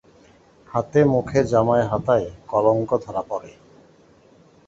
হাতে মুখে জামার হাতায় কলঙ্ক ধরা পড়ে।